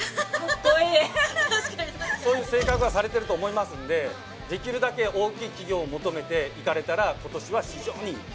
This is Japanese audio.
そういう性格されてると思いますんでできるだけ大きい企業を求めていかれたら今年は非常にいい。